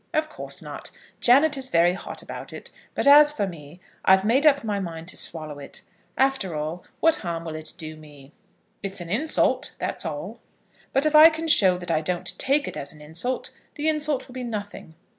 "Of course not. Janet is very hot about it; but, as for me, I've made up my mind to swallow it. After all, what harm will it do me?" "It's an insult, that's all." "But if I can show that I don't take it as an insult, the insult will be nothing.